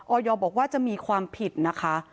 อยบอกว่าจะมีความผิดนะคะ